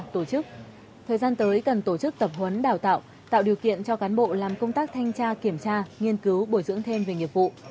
thời gian tới cần tổ chức tập huấn đào tạo tạo điều kiện cho cán bộ làm công tác thanh tra kiểm tra nghiên cứu bồi dưỡng thêm về nghiệp vụ